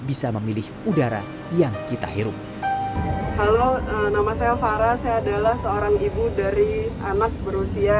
bisa memilih udara yang kita hirup halo nama saya fara saya adalah seorang ibu dari anak berusia